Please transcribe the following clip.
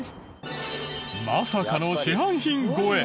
まさかの市販品超え！